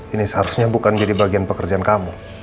ini seharusnya bukan jadi bagian pekerjaan kamu